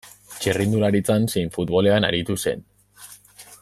Txirrindularitzan zein futbolean aritu zen.